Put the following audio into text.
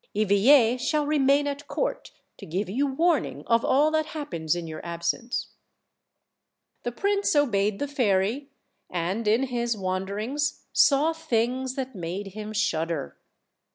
Eveille shall remain at court to give you warning of all that hap pens in your absence." The prince obeyed the fairy, and in his wanderings saw things that made him shudder.